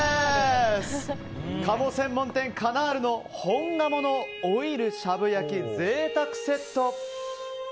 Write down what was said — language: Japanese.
鴨専門店カナールの本鴨のオイルしゃぶ焼き贅沢セット。